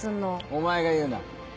お前が言うな。